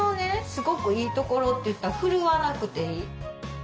すごくいいところといったらふるわなくていい。